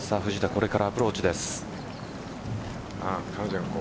これからアプローチです。